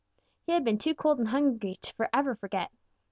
He had been too cold and too hungry to ever forget.